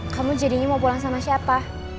kamu jadinya mau pulang sama siapa